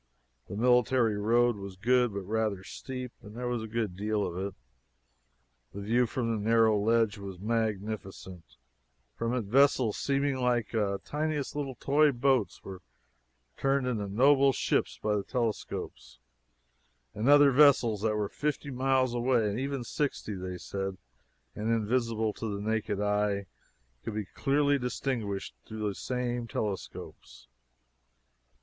The military road was good, but rather steep, and there was a good deal of it. The view from the narrow ledge was magnificent; from it vessels seeming like the tiniest little toy boats were turned into noble ships by the telescopes, and other vessels that were fifty miles away and even sixty, they said, and invisible to the naked eye, could be clearly distinguished through those same telescopes.